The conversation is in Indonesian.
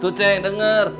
tuh ceng denger